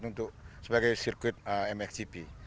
jadi kita membuatnya sebagai sirkuit mxgp